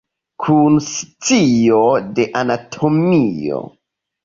Kun scio de anatomio.